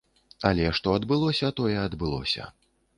Але, што адбылося, тое адбылося.